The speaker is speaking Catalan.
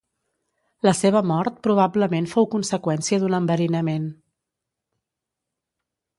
La seva mort probablement fou conseqüència d'un enverinament.